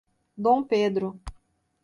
Dom Pedro